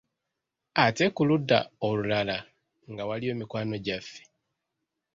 Ate ku ludda olulala nga waliyo mikwano gyaffe.